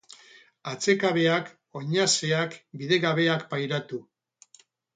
Atsekabeak, oinazeak, bidegabeak pairatu.